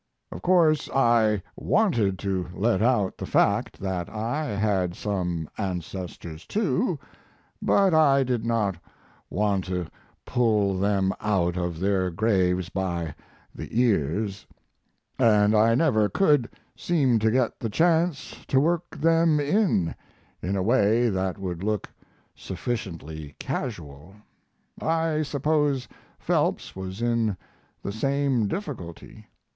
Of course I wanted to let out the fact that I had some ancestors, too; but I did not want to pull them out of their graves by the ears, and I never could seem to get the chance to work them in, in a way that would look sufficiently casual. I suppose Phelps was in the same difficulty.